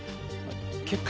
結果。